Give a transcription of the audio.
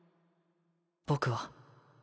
僕は